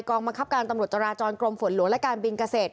บังคับการตำรวจจราจรกรมฝนหลวงและการบินเกษตร